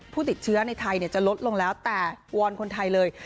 ผู้ติดเชื้อในไทยจะลดลงแล้วแต่วอนคนไทยเลย